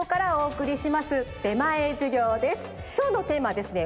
きょうのテーマはですね